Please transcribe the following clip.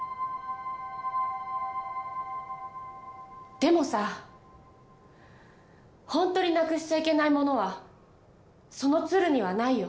でもさ本当になくしちゃいけないものはその鶴にはないよ。